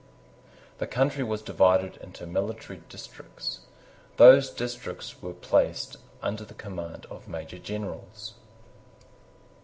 The country was divided into military districts. Those districts were placed under the command of Major Generals.